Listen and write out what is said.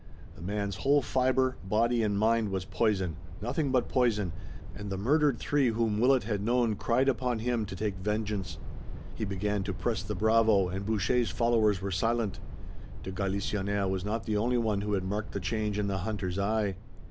The man's whole fiber, body and mind, was poison, nothing but poison, and the murdered three whom Willet had known cried upon him to take vengeance. He began to press the bravo and Boucher's followers were silent. De Galisonnière was not the only one who had marked the change in the hunter's eye.